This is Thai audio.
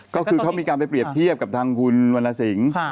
ก็คือเขามีการไปเปรียบเทียบกับทางคุณวรรณสิงศ์